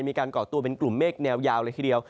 ก่อตัวเป็นกลุ่มเมฆแนวยาวเลยทีเดียว